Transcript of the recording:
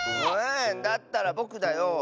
だったらぼくだよ。